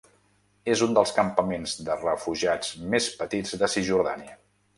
És un dels campaments de refugiats més petits de Cisjordània.